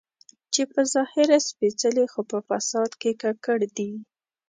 چې په ظاهره سپېڅلي خو په فساد کې ککړ دي.